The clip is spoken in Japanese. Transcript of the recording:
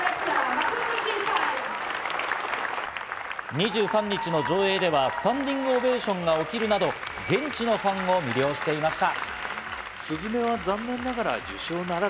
２３日の上映ではスタンディングオベーションが起こるなど、現地のファンを魅了していました。